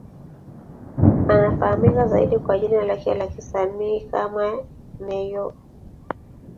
Anafahamika zaidi kwa jina lake la kisanii kama Ne-Yo.